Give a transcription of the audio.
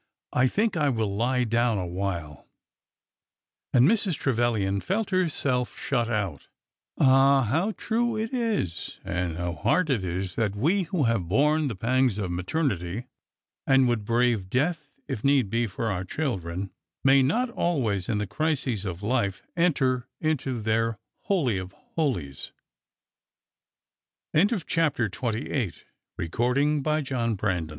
I think I will lie down a while." And Mrs. Trevilian felt herself shut out. Ah! how true it is — and how hard it is — that we who have borne the pangs of maternity, and would brave death if need be, for our children, may not always in the crises of life enter into their holy of holies 1 CHAPTER XXIX THE PERFECT LOVE THAT CASTETH OUT FE